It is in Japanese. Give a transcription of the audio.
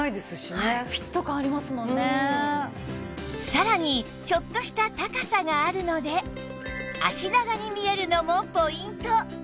さらにちょっとした高さがあるので脚長に見えるのもポイント！